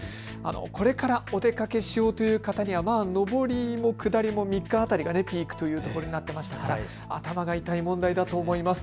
これからお出かけしようという方には上りも下りも３日辺りがピークということになっていましたから頭が痛い問題だと思います。